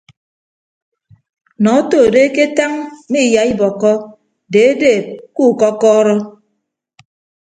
Nọ oto do eketañ mme iyaibọkkọ deedeeb ku kọkọrọ.